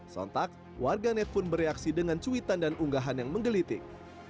sontak warganet pun bereaksi dengan cuitan dan unggahan yang menggelitik